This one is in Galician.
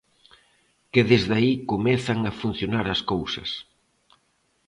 Que desde aí comezan a funcionar as cousas.